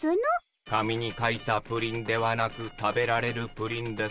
「紙に書いたプリンではなく食べられるプリン」ですね？